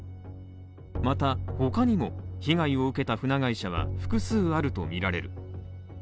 また、他にも被害を受けた船会社は複数あるとみられる。